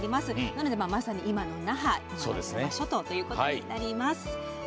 なので、まさに今の那覇慶良間諸島ということになります。